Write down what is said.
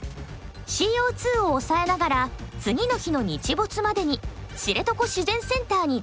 ＣＯを抑えながら次の日の日没までに知床自然センターに到着すること。